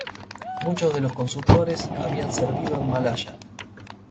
Muchos de los consultores habían servido en Malaya.